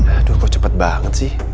aduh kok cepet banget sih